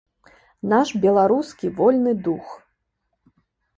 Наш беларускі вольны дух.